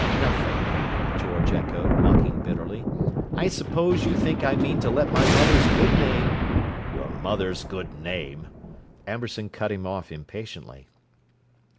"'Nothing?'" George echoed, mocking bitterly "I suppose you think I mean to let my mother's good name—" "Your mother's good name!" Amberson cut him off impatiently.